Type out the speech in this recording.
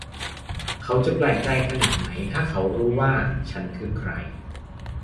เขาจะแปลกใจขนาดไหนถ้าเขารู้ว่าฉันคือใคร